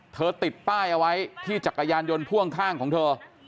ติดป้ายเอาไว้ที่จักรยานยนต์พ่วงข้างของเธอ